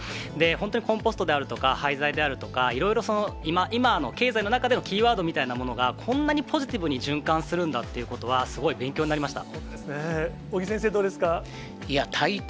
本当にコンポストであるとか、廃材であるとか、いろいろ今の経済の中でのキーワードみたいなものが、こんなにポジティブに循環するんだということは、すごい勉強になりました。